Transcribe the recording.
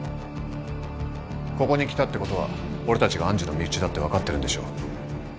ここに来たってことは俺たちが愛珠の身内だって分かってるんでしょう？